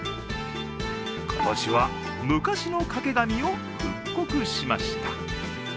今年は昔の掛け紙を復刻しました。